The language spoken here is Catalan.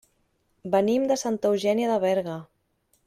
Venim de Santa Eugènia de Berga.